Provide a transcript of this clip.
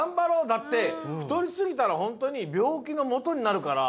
だって太りすぎたらホントにびょうきのもとになるから。